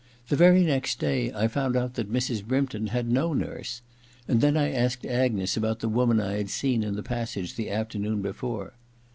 The very next day I found out that Mrs. Brympton had no nurse ; and then I asked Agnes about the woman I had seen in the passage the afternoon before.